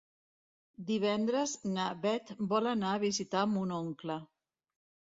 Divendres na Bet vol anar a visitar mon oncle.